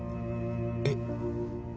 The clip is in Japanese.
えっ。